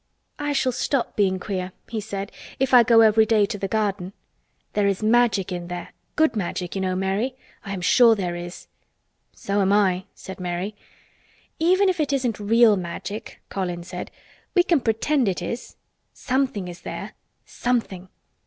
"I shall stop being queer," he said, "if I go every day to the garden. There is Magic in there—good Magic, you know, Mary. I am sure there is." "So am I," said Mary. "Even if it isn't real Magic," Colin said, "we can pretend it is. Something is there—_something!